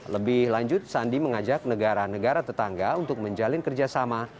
lebih lanjut sandi mengajak negara negara tetangga untuk menjalin kerjasama